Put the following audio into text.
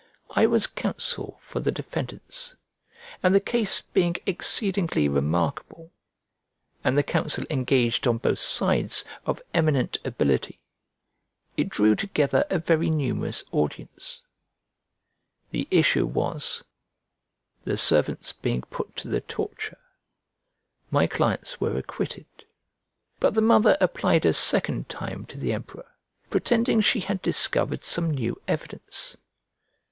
I was counsel for the defendants, and the case being exceedingly remarkable, and the counsel engaged on both sides of eminent ability, it drew together a very numerous audience. The issue was, the servants being put to the torture, my clients were acquitted. But the mother applied a second time to the emperor, pretending she had discovered some new evidence.